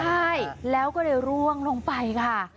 ใช่แล้วก็เลยร่วงลงไปค่ะ